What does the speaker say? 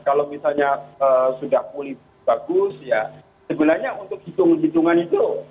kalau misalnya sudah pulih bagus ya sebenarnya untuk hitung hitungan itu